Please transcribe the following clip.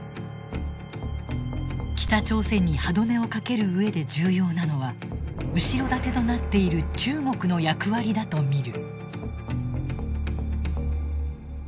北朝鮮に歯止めをかける上で重要なのは後ろ盾となっている中国の役割だと見る。